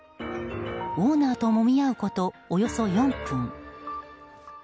オーナーともみ合うことおよそ４分。